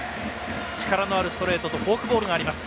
力のあるストレートとフォークボールがあります。